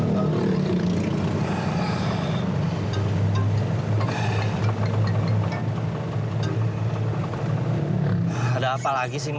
mas ada apa lagi sih ma